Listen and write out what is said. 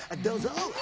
どうぞ！